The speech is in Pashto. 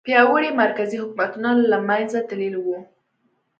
پیاوړي مرکزي حکومتونه له منځه تللي وو.